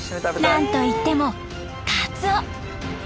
なんといってもカツオ。